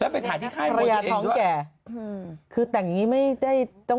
ไปถ่ายที่ค่ายมวย